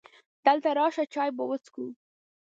دلته راشه! چای به وڅښو .